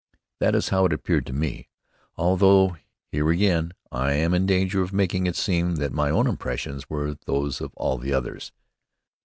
That is how it appeared to me, although here again I am in danger of making it seem that my own impressions were those of all the others.